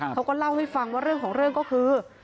เขาก็เล่าให้ฟังว่าเรื่องของเรื่องก็คือ